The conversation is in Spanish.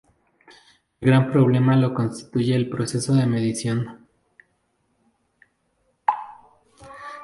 El gran problema lo constituye el proceso de medición.